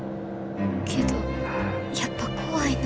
けどやっぱ怖いな。